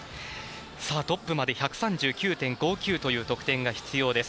トップまでは１３９．５９という得点が必要。